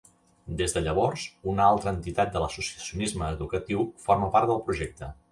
Des de llavors, una altra entitat de l'associacionisme educatiu forma part del projecte.